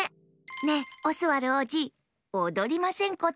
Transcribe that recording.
ねえオスワルおうじおどりませんこと？